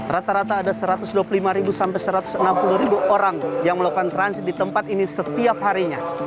rata rata ada satu ratus dua puluh lima sampai satu ratus enam puluh orang yang melakukan trans di tempat ini setiap harinya